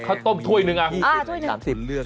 ข้าวต้มถ้วยหนึ่งอะต้วยหนึ่ง